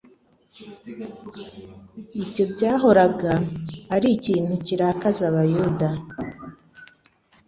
ibyo byahoraga ari ikintu kirakaza abayuda.